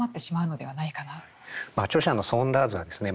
まあ著者のソーンダーズはですね